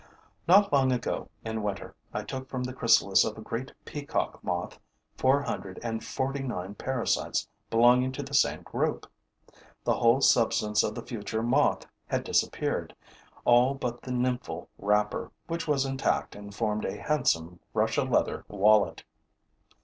Not long ago, in winter, I took from the chrysalis of a great peacock moth four hundred and forty nine parasites belonging to the same group. The whole substance of the future moth had disappeared, all but the nymphal wrapper, which was intact and formed a handsome Russia leather wallet.